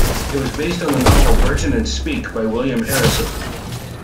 It was based on the novel "Burton and Speke" by William Harrison.